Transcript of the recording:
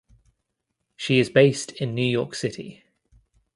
She is based in New York City.